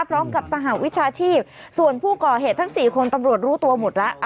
สหวิชาชีพส่วนผู้ก่อเหตุทั้ง๔คนตำรวจรู้ตัวหมดแล้ว